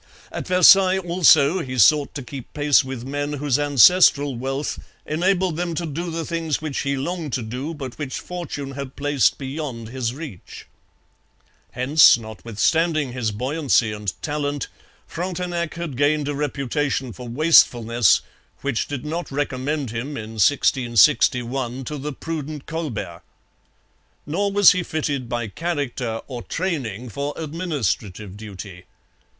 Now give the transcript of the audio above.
At Versailles, also, he sought to keep pace with men whose ancestral wealth enabled them to do the things which he longed to do, but which fortune had placed beyond his reach. Hence, notwithstanding his buoyancy and talent, Frontenac had gained a reputation for wastefulness which did not recommend him, in 1661, to the prudent Colbert. Nor was he fitted by character or training for administrative duty.